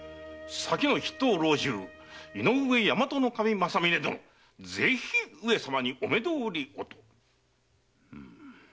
先の筆頭老中・井上大和守正峯殿ぜひ上様にお目通りをと。